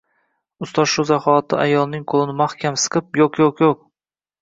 Ustoz shu zaxoti ayolning qo’lini maxkam siqib: Yo’q, yo’q, yo’q!